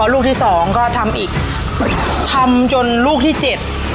ลูกที่สองก็ทำอีกทำจนลูกที่เจ็ด